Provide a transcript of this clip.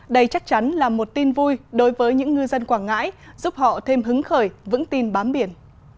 đây chắc chắn là một tin vui đối với những ngư dân quảng ngãi giúp họ thêm hứng khởi vững tin bám biển